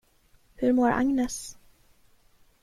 Hur mår Agnes?